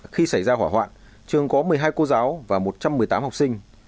khi xảy ra hỏa hoạn trường có một mươi hai cô giáo và một trăm một mươi tám học sinh